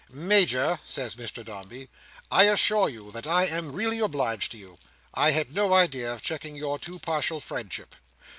"Major," says Mr Dombey, "I assure you that I am really obliged to you. I had no idea of checking your too partial friendship."